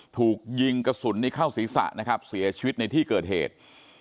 ถูกยิงกระสุนนี้เข้าศีรษะนะครับเสียชีวิตในที่เกิดเหตุ